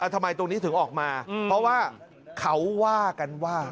ทำไมตรงนี้ถึงออกมาเพราะว่าเขาว่ากันว่า